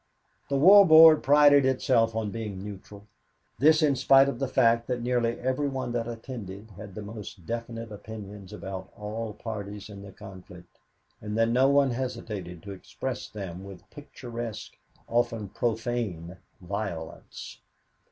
The War Board prided itself on being neutral this in spite of the fact that nearly every one that attended had the most definite opinions about all parties in the conflict and that no one hesitated to express them with picturesque, often profane, violence.